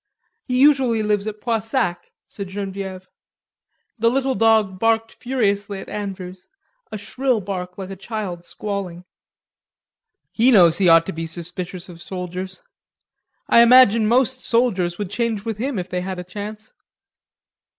"He usually lives at Poissac," said Genevieve. The little dog barked furiously at Andrews, a shrill bark like a child squalling. "He knows he ought to be suspicious of soldiers.... I imagine most soldiers would change with him if they had a chance....